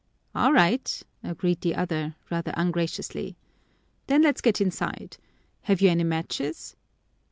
"All right," agreed the other, rather ungraciously. "Then let's get inside. Have you any matches?"